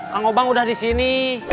kang gobang sudah di sini